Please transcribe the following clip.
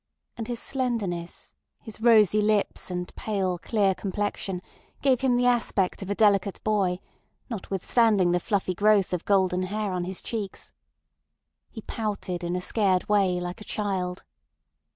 And his slenderness, his rosy lips and pale, clear complexion, gave him the aspect of a delicate boy, notwithstanding the fluffy growth of golden hair on his cheeks. He pouted in a scared way like a child.